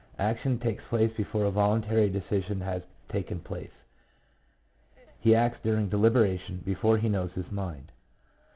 Action takes place before a voluntary decision has taken place; he acts during deliberation, before he knows his mind.